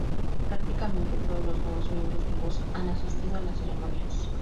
Prácticamente todos los nuevos miembros vivos han asistido a las ceremonias.